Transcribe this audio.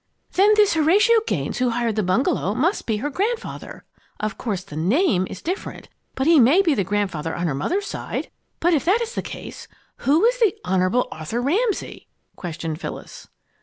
"Then, this Horatio Gaines who hired the bungalow must be her grandfather. Of course, the name is different, but he may be the grandfather on her mother's side. But if that is the case, who is the 'Hon. Arthur Ramsay'?" questioned Phyllis.